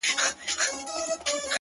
وبېرېدم؛